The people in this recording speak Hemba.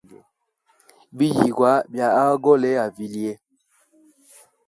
Biyigwa bya agole a vilye.